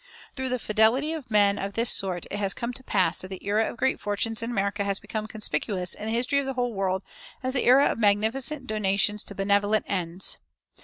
Through the fidelity of men of this sort it has come to pass that the era of great fortunes in America has become conspicuous in the history of the whole world as the era of magnificent donations to benevolent ends.